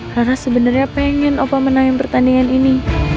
rara sebenarnya pengen opa menangin pertandingan ini